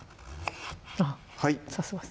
はい